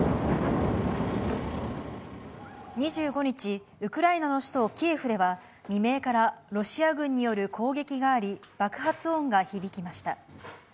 ２５日、ウクライナの首都キエフでは、未明からロシア軍による攻撃があり、爆発音が響きました。